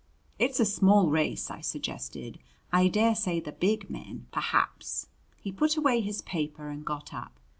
"It's a small race," I suggested. "I dare say the big men " "Perhaps." He put away his paper and got up.